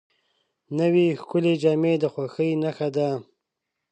نوې ښکلې جامې د خوښۍ نښه وي